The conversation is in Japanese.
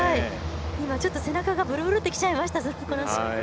今、ちょっと背中がぶるぶるってきちゃいました。